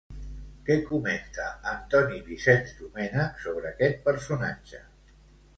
Què comenta Antoni Vicenç Domènec sobre aquest personatge?